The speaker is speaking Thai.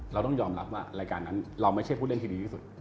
เราต้องยอมรับว่ารายการนั้นเราไม่ใช่ผู้เล่นที่ดีที่สุด